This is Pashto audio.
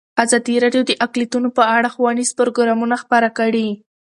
ازادي راډیو د اقلیتونه په اړه ښوونیز پروګرامونه خپاره کړي.